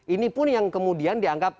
ini pun yang kemudian dianggap